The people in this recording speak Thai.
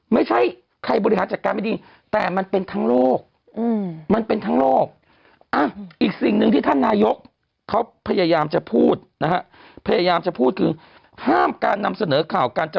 ไม่ใช่ใครบริษัทจัดการไม่ดีแต่มันเป็นทั้งโลกอืม